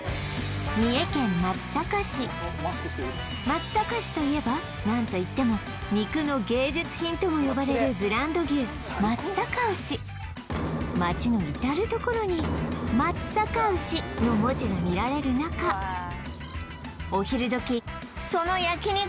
松阪市といえば何といっても「肉の芸術品」とも呼ばれるブランド牛松阪牛街の至る所に「松阪牛」の文字が見られる中お昼時その焼肉